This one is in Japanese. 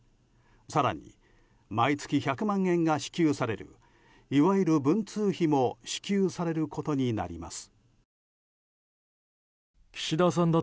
更に毎月１００万円が支給されるいわゆる文通費も支給されることになります。